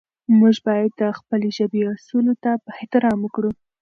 موږ باید د خپلې ژبې اصولو ته احترام وکړو.